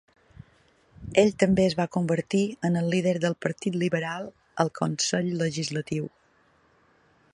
Ell també es va convertir en el líder del partit liberal al Consell legislatiu.